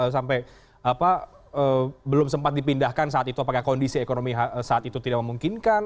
sampai belum sempat dipindahkan saat itu apakah kondisi ekonomi saat itu tidak memungkinkan